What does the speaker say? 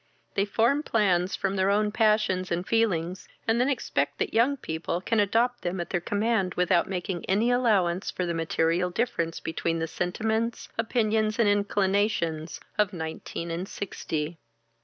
They form plans from their own passions and feelings, and then expect that young people can adopt them at their command, without making any allowance for the material difference between the sentiments, opinions, and inclinations, of nineteen and sixty."